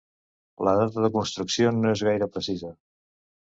La data de construcció no és gaire precisa.